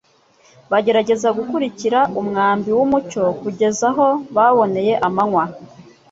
bagerageza gukurikira umwambi w’umucyo kugeza aho baboneye amanywa